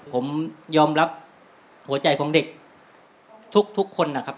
ผมยอมรับหัวใจของเด็กทุกคนนะครับ